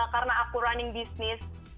karena aku running business